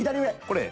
これ？